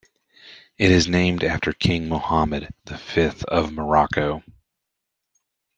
It is named after King Mohammed the Fifth of Morocco.